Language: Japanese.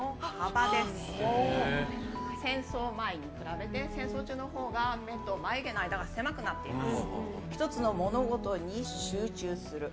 戦争前に比べて戦争中のほうが目と眉毛の間が狭くなっています。